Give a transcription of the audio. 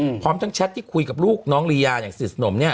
พร้อมทั้งแชทที่คุยกับลูกน้องลียาอย่างสนิทสนมเนี้ย